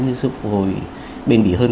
như sự phục hồi bền bỉ hơn